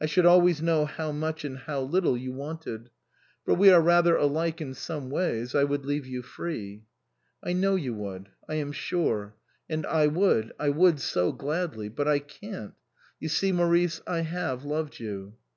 I should always know how much and how little you 182 OUTWARD BOUND wanted. For we are rather alike in some ways. I would leave you free." "I know you would. I am sure. And I would I would so gladly but I can't ! You see, Maurice, I have loved you."